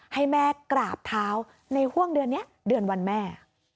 ให้แม่กราบเท้าในห่วงเดือนนี้เดือนวันแม่